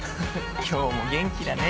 今日も元気だね。